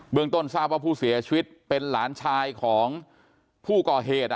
ต้นทราบว่าผู้เสียชีวิตเป็นหลานชายของผู้ก่อเหตุ